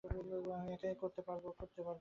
আমি একাই করতে পারবো।